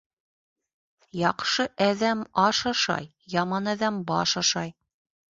Яҡшы әҙәм аш ашай, яман әҙәм баш ашай.